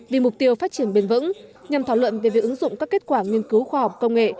vì mục tiêu phát triển bền vững nhằm thảo luận về việc ứng dụng các kết quả nghiên cứu khoa học công nghệ